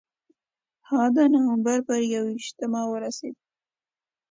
هغه ته د نومبر پر یوویشتمه ورسېد.